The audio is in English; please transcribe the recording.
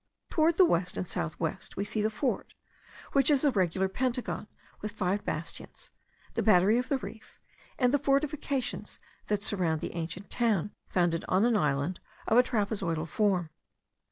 Towards the west and south west we see the fort, which is a regular pentagon with five bastions, the battery of the reef, and the fortifications that surround the ancient town, founded on an island of a trapezoidal form.